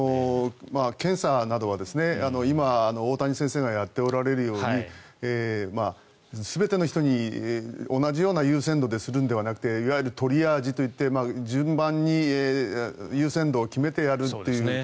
検査などは今、大谷先生がやっておられるように全ての人に同じような優先度でするのではなくていわゆるトリアージといって順番に優先度を決めてやるという。